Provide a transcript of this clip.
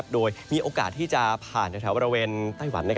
โดยมีโอกาสที่จะผ่านแถวบริเวณไต้หวัน